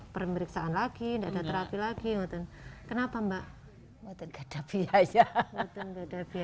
pemeriksaan lagi enggak ada terapi lagi mbak kenapa mbak mbak enggak ada biaya enggak ada biaya